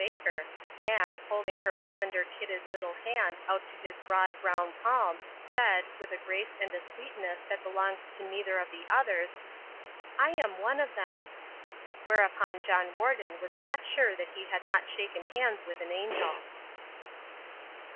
Baker, and, holding her lavender kidded little hand out to his broad brown palm, said, with a grace and a sweetness that belonged to neither of the others: "I am one of them." Whereupon John Warden was not sure that he had not shaken hands with an angel.